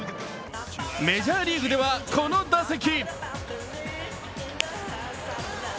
メジャーリーグではこの打席。